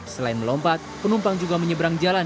selain melompat penumpang juga menyeberang jalan